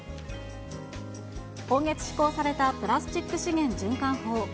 今月施行されたプラスチック資源循環法。